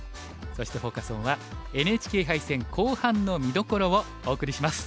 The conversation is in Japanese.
そしてフォーカス・オンは「ＮＨＫ杯戦後半の見どころ」をお送りします。